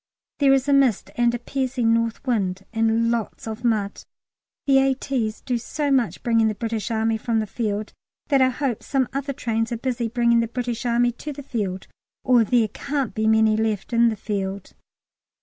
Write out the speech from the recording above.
There is a mist and a piercing north wind, and lots of mud. The A.T.'s do so much bringing the British Army from the field that I hope some other trains are busy bringing the British Army to the field, or there can't be many left in the field.